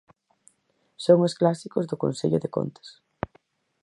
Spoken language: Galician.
Son os clásicos do Consello de Contas.